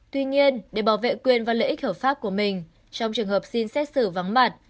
tuy nhiên để bảo vệ quyền và lợi ích hợp pháp của mình trong trường hợp xin xét xử vắng mặt